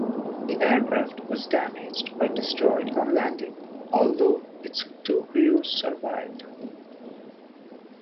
The aircraft was damaged or destroyed on landing, although its two crew survived.